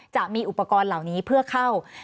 จะมีอุปกรณ์เหล่านี้เพื่อเข้า